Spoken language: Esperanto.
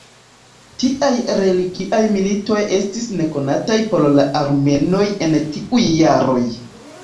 Tiaj religiaj militoj estis nekonataj por la armenoj en tiuj jaroj.